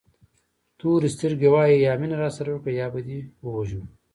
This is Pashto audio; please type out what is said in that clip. تورې سترګې وایي یا مینه راسره وکړه یا به دې ووژنو.